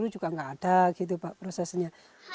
juga nggak ada gitu pak prosesnya